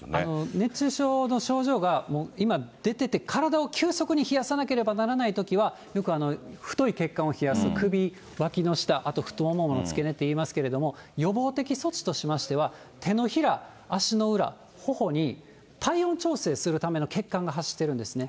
熱中症の症状がもう今出てて、体を急速に冷やさなければならないときは、よく太い血管を冷やす、首、わきの下、あと太ももの付け根って言いますけれども、予防的措置としましては、手のひら、足の裏、ほほに、体温調整するための血管が走ってるんですね。